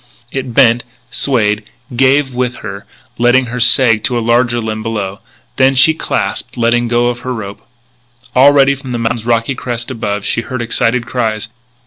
It bent, swayed, gave with her, letting her sag to a larger limb below. This she clasped, letting go her rope. Already, from the mountain's rocky crest above, she heard excited cries.